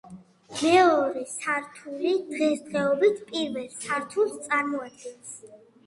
მეორე სართული დღესდღეობით პირველ სართულს წარმოადგენს.